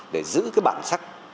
để giữ cái bản sắc